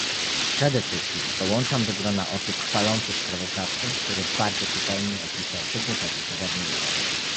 Przede wszystkim dołączam do grona osób chwalących sprawozdawcę, który bardzo czytelnie opisał przedmiotowe zagadnienie